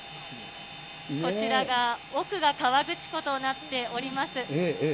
こちらが、奥が河口湖となっております。